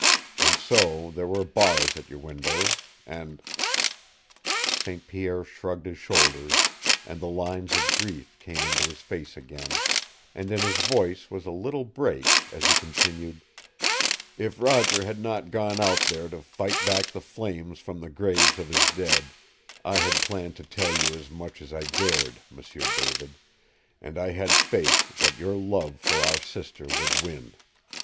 And so there were bars at your windows, and " St. Pierre shrugged his shoulders, and the lines of grief came into his face again, and in his voice was a little break as he continued: "If Roger had not gone out there to fight back the flames from the graves of his dead, I had planned to tell you as much as I dared, M'sieu David, and I had faith that your love for our sister would win.